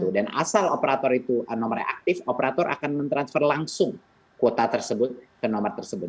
dan asal operator itu nomornya aktif operator akan mentransfer langsung kuota tersebut ke nomor tersebut